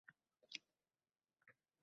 Assalomu-alaykum.